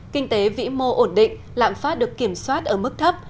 kinh tế vĩ mô ổn định lạm phát được kiểm soát ở mức thấp